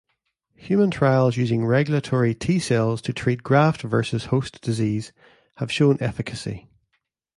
Human trials using regulatory T cells to treat graft-versus-host disease have shown efficacy.